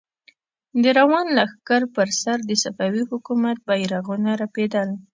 د روان لښکر پر سر د صفوي حکومت بيرغونه رپېدل.